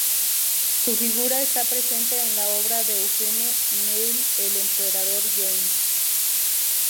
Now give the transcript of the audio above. Su figura está presente en la obra de Eugene O'Neill "El emperador Jones".